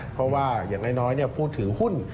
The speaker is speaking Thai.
เพราะว่าอย่างน้อยผู้ถือหุ้น